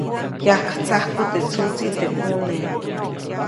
Yajtsajku teʼ tsuʼtsi teʼ mʼuneʼ.